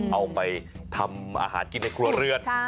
เอาไปทำอาหารกินในครัวเรือน